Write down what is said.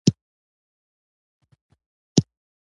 شخصي پرمختګ کې روغتیا پالنه اړینه ده.